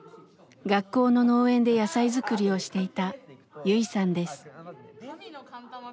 学校の農園で野菜作りをしていたユイさんです。